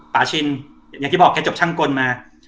ชินอย่างที่บอกแกจบช่างกลมา